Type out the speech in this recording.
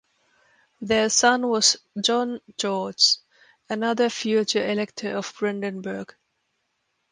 Their son was John George, another future Elector of Brandenburg.